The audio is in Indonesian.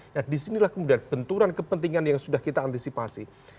nah disinilah kemudian benturan kepentingan yang sudah kita antisipasi